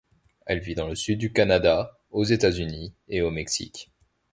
Elle vit dans le sud du Canada, aux États-Unis et au Mexique.